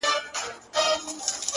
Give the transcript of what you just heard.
پر دې متل باندي څه شك پيدا سو،